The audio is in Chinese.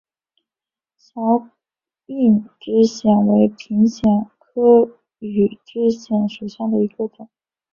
小硬枝藓为平藓科羽枝藓属下的一个种。